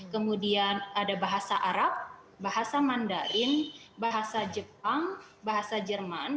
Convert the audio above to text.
kemudian ada bahasa arab bahasa mandarin bahasa jepang bahasa jerman